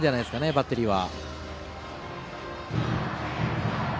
バッテリーは。